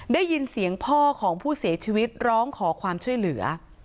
ได้ยินเสียงพ่อของผู้เสียชีวิตร้องขอความช่วยเหลือ